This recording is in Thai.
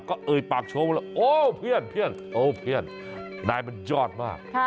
ก็เอ่ยปากโชว์มาแล้วโอ้เพื่อนนายมันยอดมาก